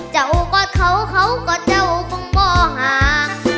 เจ้าก็เขาเขาก็เจ้าเพรงป่อหาง